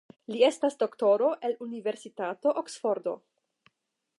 Li estas doktoro el Universitato Oksfordo.